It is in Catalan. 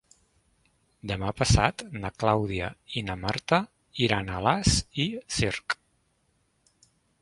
Demà passat na Clàudia i na Marta iran a Alàs i Cerc.